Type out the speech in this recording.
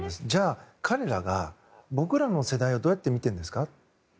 じゃあ、彼らが僕らの世代をどうやって見てるんですか？